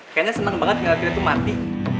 kayaknya seneng banget ngeri neri tuh mati